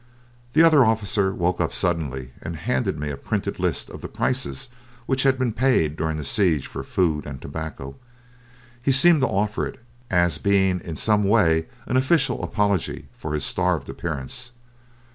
The other officer woke up suddenly and handed me a printed list of the prices which had been paid during the siege for food and tobacco. He seemed to offer it as being in some way an official apology for his starved appearance.